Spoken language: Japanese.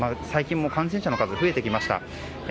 最近も感染者の数増えてきました。